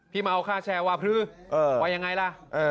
พี่มาเอาค่าแชร์ว่าว่ายังไงล่ะ